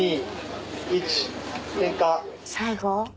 最後？